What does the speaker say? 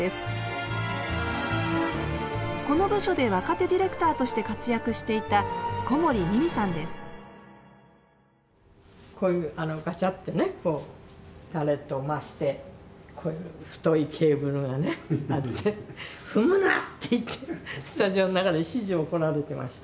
この部署で若手ディレクターとして活躍していたこういうあのガチャッてねターレットを回してこういう太いケーブルがねあって「踏むな！」って言ってスタジオの中で始終怒られてましたっけ。